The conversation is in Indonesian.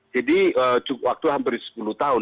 jadi waktu hampir sepuluh tahun